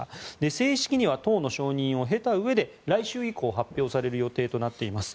正式には党の承認を経たうえで来週以降発表される予定となっています。